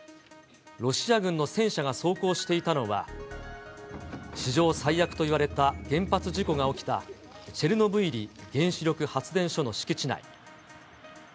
ロシア軍の戦車が走行していたのは、史上最悪といわれた原発事故が起きた、チェルノブイリ原子力発電所の敷地内。